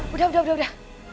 udah udah udah